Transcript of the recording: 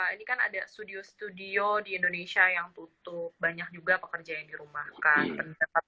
ini kan ada studio studio di indonesia yang tutup banyak juga pekerja yang dirumahkan